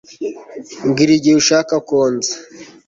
Mbwira igihe ushaka ko nza